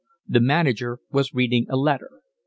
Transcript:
The manager was reading a letter.